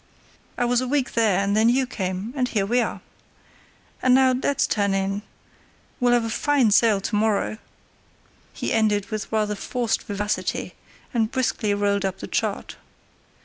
I was a week there, and then you came, and here we are. And now let's turn in. We'll have a fine sail to morrow!" He ended with rather forced vivacity, and briskly rolled up the chart.